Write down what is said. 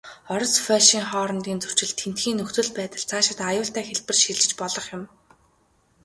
Орос, Польшийн хоорондын зөрчил, тэндхийн нөхцөл байдал, цаашид аюултай хэлбэрт шилжиж болох юм.